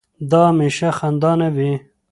دا هميشه خندانه وي